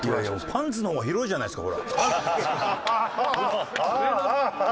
パンツの方が圧倒的に広いじゃないですか。